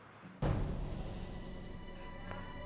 tuh gue mau ke rumah